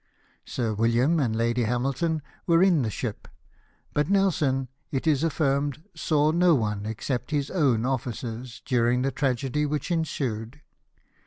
Sir William and Lady Hamilton were in the ship ; but Nelson, it is affirmed, saAv no one, except his own officers, during the tragedy which ensued.